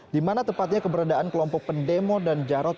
di mana tepatnya keberadaan kelompok pendemo dan jarod